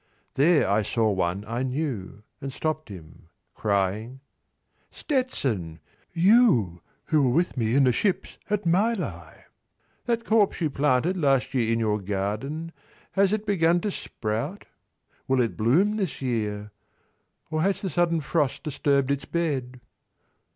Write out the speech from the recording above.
There I saw one I knew, and stopped him, crying "Stetson! "You who were with me in the ships at Mylae! 70 "That corpse you planted last year in your garden, "Has it begun to sprout? Will it bloom this year? "Or has the sudden frost disturbed its bed?